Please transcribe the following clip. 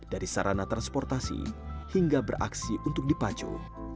dari sarana transportasi hingga beraksi untuk dipacu